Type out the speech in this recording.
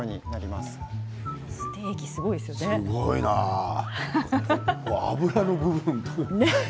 すごいな、脂の部分とか。